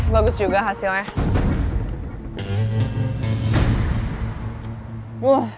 bagus juga hasilnya